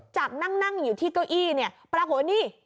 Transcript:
จากนั่งอยู่ที่โก้ยประโหะนี่